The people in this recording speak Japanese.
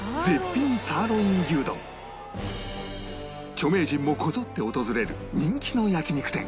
著名人もこぞって訪れる人気の焼肉店